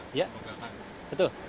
tidak perlu diingat